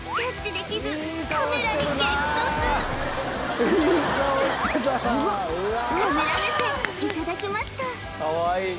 でもカメラ目線いただきました